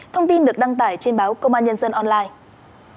thông tin được đăng tải trên báo công an nhân dân online